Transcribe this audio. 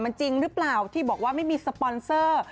มันจริงหรือเปล่าที่บอกว่าไม่มีสปอนเซอร์